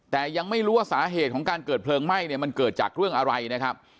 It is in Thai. แต่ยังไม่รู้ว่าสาเหตุของการเกิดเพลิงไหม้เนี่ยมันเกิดจากเรื่องอะไรนะครับ